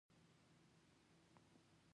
آیا کاناډا د روغتیا اداره نلري؟